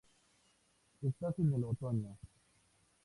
Estás en el otoño.'".